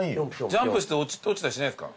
ジャンプして落ちたりしないですか？